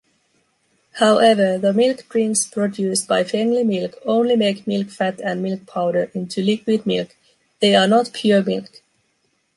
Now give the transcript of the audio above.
However, the milk drinks produced by Fengli milk only make milk fat and milk powder into liquid milk. They are not pure milk.